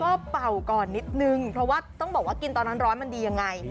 ก็เป่าก่อนนิดนึงเพราะว่าต้องบอกว่ากินตอนนั้นร้อนมันดียังไง